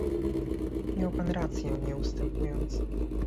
Miał pan rację nie ustępując